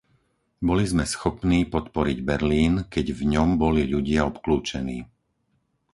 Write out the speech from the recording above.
Boli sme schopní podporiť Berlín, keď v ňom boli ľudia obkľúčení!